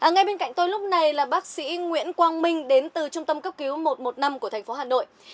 ngay bên cạnh tôi lúc này là bác sĩ nguyễn quang minh đến từ trung tâm cấp cứu một trăm một mươi năm của thành phố hà nội